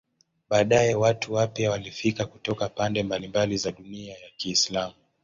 Baadaye watu wapya walifika kutoka pande mbalimbali za dunia ya Kiislamu.